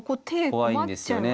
怖いんですよね。